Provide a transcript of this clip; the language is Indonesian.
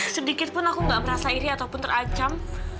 sedikitpun aku nggak merasa iri ataupun terancam